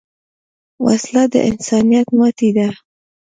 وسله د انسانیت ماتې ده